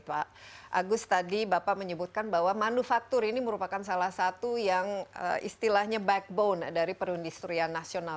pak agus tadi bapak menyebutkan bahwa manufaktur ini merupakan salah satu yang istilahnya backbone dari perindustrian nasional